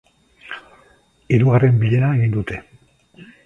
Hirugarren bilera egin dute.